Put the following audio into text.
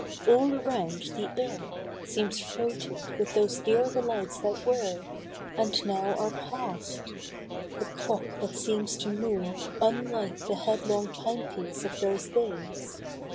" All around the air Seems freighted with those dear delights that were, And now are past. The clock, that seems to move Unlike the headlong time piece of those days.